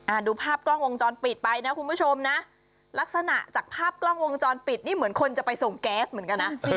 ดูภาพกล้องวงจรปิดไปนะคุณผู้ชมนะลักษณะจากภาพกล้องวงจรปิดนี่เหมือนคนจะไปส่งแก๊สเหมือนกันนะ